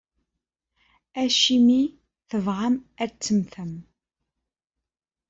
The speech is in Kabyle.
Acimi i tebɣam ad temmtem?